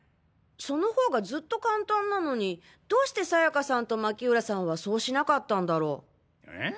その方がずっと簡単なのにどうしてさやかさんと巻浦さんはそうしなかったんだろう？え？